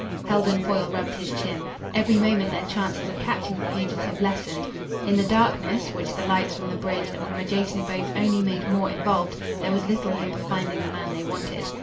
Heldon Foyle rubbed his chin. Every moment their chances of catching the fugitive lessened. In the darkness, which the lights from the bridge and from adjacent boats only made more involved, there was little hope of finding the man they wanted.